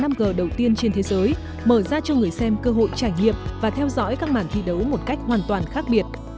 năm g đầu tiên trên thế giới mở ra cho người xem cơ hội trải nghiệm và theo dõi các màn thi đấu một cách hoàn toàn khác biệt